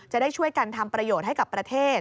จะได้ช่วยกันทำประโยชน์ให้กับประเทศ